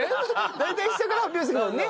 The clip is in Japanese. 大体下から発表するもんね。